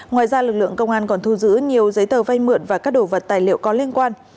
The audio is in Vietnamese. ngoài ra lực lượng công an còn thu giữ nhiều giấy tờ vay mượn và các đồ vật tài liệu có liên quan